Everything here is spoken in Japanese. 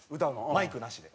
マイクなしで。